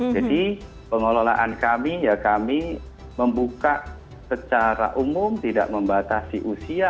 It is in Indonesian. jadi pengelolaan kami ya kami membuka secara umum tidak membatasi usia